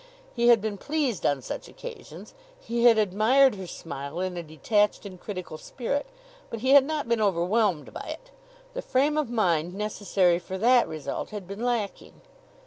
He had been pleased on such occasions; he had admired her smile in a detached and critical spirit; but he had not been overwhelmed by it. The frame of mind necessary for that result had been lacking.